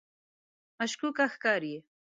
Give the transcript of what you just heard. مشکوکه ښکاري.